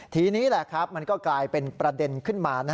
ทีนี้แหละครับมันก็กลายเป็นประเด็นขึ้นมา